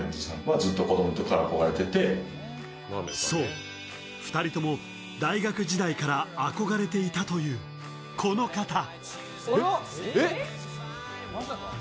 そう、２人とも大学時代から憧れていたという、この方。